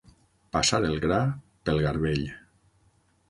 Passar el gra pel garbell.